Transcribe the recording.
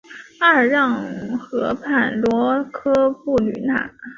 阿尔让河畔罗科布吕讷。